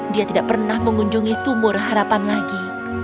dia tidak pernah mengunjungi sumur harapan lagi